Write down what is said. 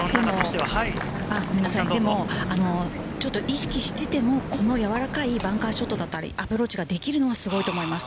でもちょっと意識してても、このやわらかいバンカーショットだったり、アプローチができるのは、すごいと思います。